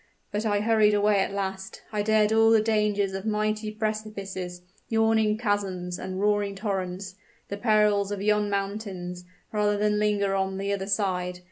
But I hurried away at last I dared all the dangers of mighty precipices, yawning chasms, and roaring torrents the perils of yon mountains rather than linger on the other side.